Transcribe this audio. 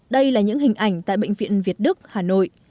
đây là những hình ảnh tại bệnh viện việt đức hà nội